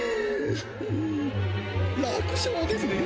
楽勝ですね。